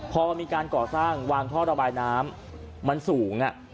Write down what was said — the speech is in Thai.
พอมันมีการก่อสร้างวางท่อระบายน้ำมันสูง